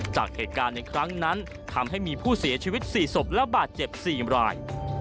จากเหตุการณ์ในครั้งนั้นทำให้มีผู้เสียชีวิต๔ศพและบาดเจ็บ๔ราย